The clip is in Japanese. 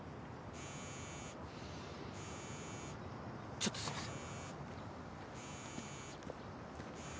ちょっとすみません。